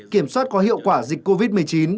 kiểm soát có hiệu quả dịch covid một mươi chín